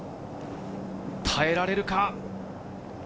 耐えられるか？